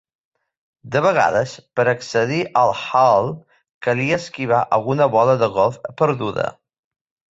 De vegades, per accedir al hall calia esquivar alguna bola de golf perduda.